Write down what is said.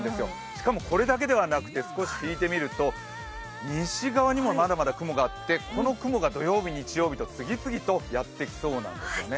しかも、これだけではなくて少し引いてみると、西側にもまだまだ雲があって、この雲が土曜日、日曜日と次々とやってきそうなんですね。